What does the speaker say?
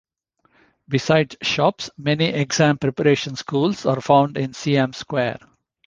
Besides shops, many exam preparation schools are found in Siam Square.